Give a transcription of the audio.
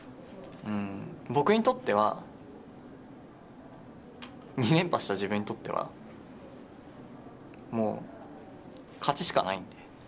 僕にとっては２連覇した自分にとってはもう勝ちしかない。